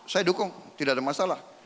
saya dukung tidak ada masalah